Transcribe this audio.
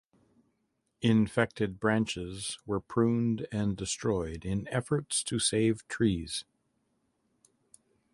Infected branches were pruned and destroyed in efforts to save trees.